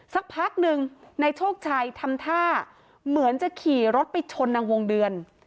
สักพักหนึ่งนายโชคชัยทำท่าเหมือนจะขี่รถไปชนนางวงเดือน